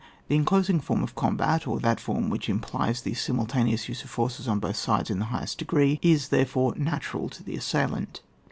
The enclosing focm of combat, or that form which implies the simul taneous use of forces on both sides in the highest degree, is, therefore, natural to the assailant.